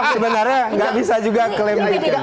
sebenarnya tidak bisa juga klaim tiket